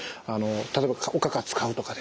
例えばおかか使うとかですね